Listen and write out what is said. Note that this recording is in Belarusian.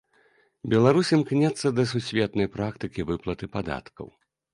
Беларусь імкнецца да сусветнай практыкі выплаты падаткаў.